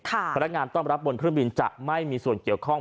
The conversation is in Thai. พนักงานต้อนรับบนเครื่องบินจะไม่มีส่วนเกี่ยวข้อง